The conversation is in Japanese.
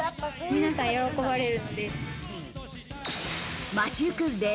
皆さん喜ばれるんで。